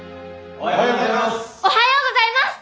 おはようございます。